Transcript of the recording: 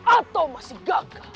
atau masih gagal